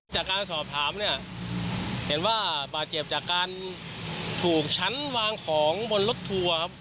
จากการสอบถามเนี่ยเห็นว่าบาดเจ็บจากการถูกชั้นวางของบนรถทัวร์ครับ